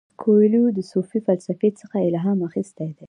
کویلیو د صوفي فلسفې څخه الهام اخیستی دی.